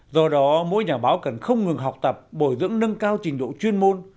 do đó mỗi nhà báo cần không ngừng học tập bồi dưỡng nâng cao trình độ chuyên môn